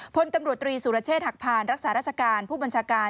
พลตำรวจตรีสุรเชษฐหักพานรักษาราชการผู้บัญชาการ